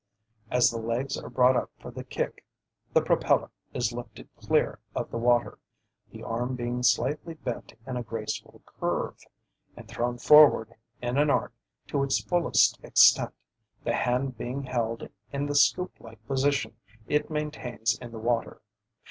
As the legs are brought up for the kick the propeller is lifted clear of the water, the arm being slightly bent in a graceful curve, and thrown forward in an arc to its fullest extent, the hand being held in the scoop like position it maintains in the water.